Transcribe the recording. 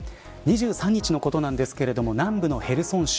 ２３日のことなんですけど南部のヘルソン州。